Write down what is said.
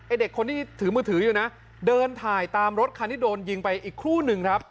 เด็กคนที่ถือมือถืออยู่นะเดินถ่ายตามรถคันที่โดนยิงไปอีกครู่หนึ่งครับ